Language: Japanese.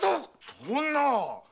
そんな！